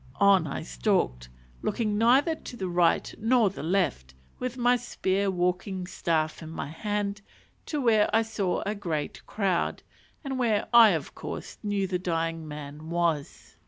On I stalked, looking neither to the right or the left, with my spear walking staff in my hand, to where I saw a great crowd, and where I of course knew the dying man was.